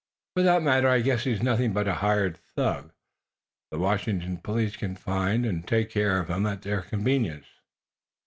"For that matter, I guess he's nothing but a hired tough. The Washington police can find and take care of him at their convenience."